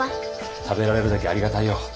食べられるだけありがたいよ。